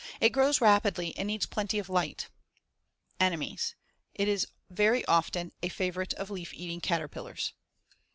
It grows rapidly and needs plenty of light. Enemies: Is very often a favorite of leaf eating caterpillars.